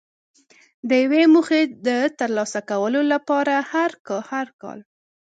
د یوې موخې د ترلاسه کولو لپاره هر کال.